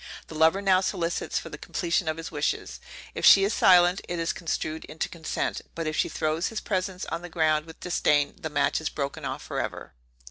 The lover now solicits for the completion of his wishes; if she is silent, it is construed into consent; but if she throws his presents on the ground with disdain the match is broken off forever.